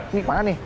ini kemana nih